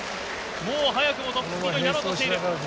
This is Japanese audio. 早くもトップスピードになろうとしている。